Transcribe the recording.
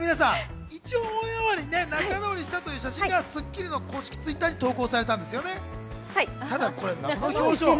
一応、オンエア終わりに仲直りしたという写真が『スッキリ』の公式Ｔｗｉｔｔｅｒに投稿されたんですが、この表情。